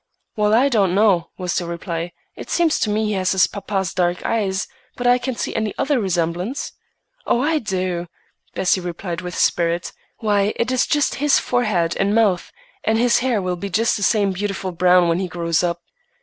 "Well, I don't know," was the reply. "It seems to me he has his papa's dark eyes, but I can't see any other resemblance." "Oh, I do!" Bessie replied with spirit. "Why, it is just his forehead and mouth, and his hair will be just the same beautiful brown when he grows up."